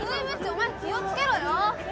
お前気を付けろよ！